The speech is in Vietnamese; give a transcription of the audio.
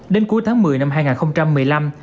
đến cuối tháng một mươi năm hai nghìn một mươi năm